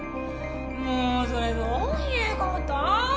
もうそれどういう事？